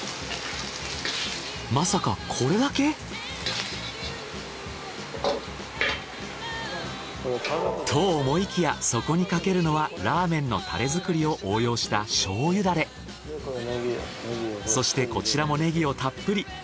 まさかこれだけ！？と思いきやそこにかけるのはラーメンのタレ作りを応用したそしてこちらもねぎをたっぷり。